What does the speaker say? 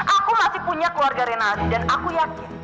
aku masih punya keluarga renardi dan aku yakin